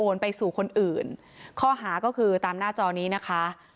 ได้ถ่ายโอนไปสู่คนอื่นข้อหาก็คือตามหน้าจอนี้นะคะ